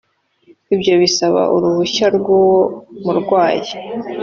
ibyo bisaba uruhushya rw’uwo murwayi